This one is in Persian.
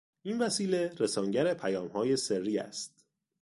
این وسیله رسانگر پیامهای سری است.